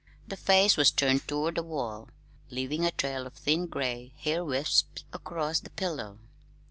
The face was turned toward the wall, leaving a trail of thin gray hair wisps across the pillow.